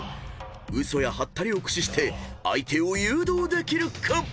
嘘やハッタリを駆使して相手を誘導できるか⁉］